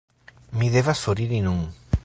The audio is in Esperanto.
Mi devas foriri nun